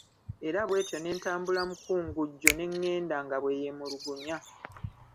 Era bwetyo n'etambula mukungujjo n'egenda nga bweyemulugunya.